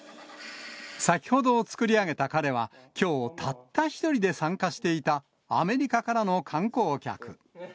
先ほど作り上げた彼はきょう、たった１人で参加していた、アメリカからの観光客。